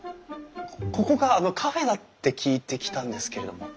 ここがカフェだって聞いて来たんですけれども。